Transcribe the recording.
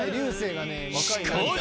しかし。